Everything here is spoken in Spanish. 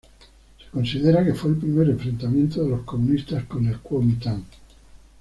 Se considera que fue el primer enfrentamiento de los comunistas con el Kuomintang.